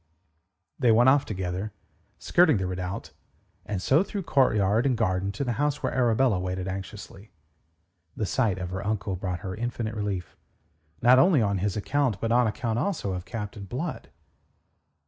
They went off together, skirting the redoubt, and so through courtyard and garden to the house where Arabella waited anxiously. The sight of her uncle brought her infinite relief, not only on his own account, but on account also of Captain Blood.